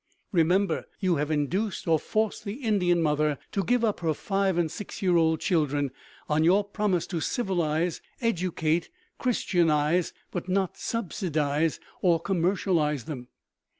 Remember, you have induced or forced the Indian mother to give up her five and six year old children on your promise to civilize, educate, Christianize but not subsidize or commercialize them!